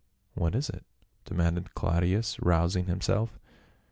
"What is it?" demanded Claudius rousing himself.